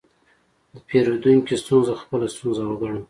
د پیرودونکي ستونزه خپله ستونزه وګڼه.